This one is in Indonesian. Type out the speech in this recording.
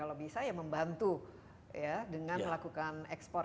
kalau bisa ya membantu ya dengan melakukan ekspor